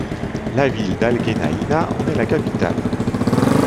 La ville d'Al-Genaïna en est la capitale.